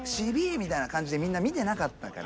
みたいな感じでみんな見てなかったから。